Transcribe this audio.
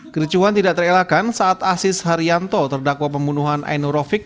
kericuhan tidak terelakan saat asis haryanto terdakwa pembunuhan ainur rofik